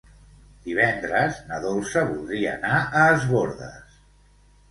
Divendres na Dolça voldria anar a Es Bòrdes.